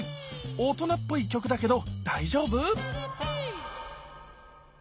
大人っぽい曲だけど大丈夫？